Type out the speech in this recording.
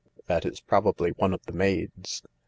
" That is probably one of the maids.